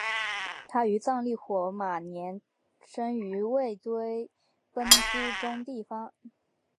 他于藏历火马年生于卫堆奔珠宗地方。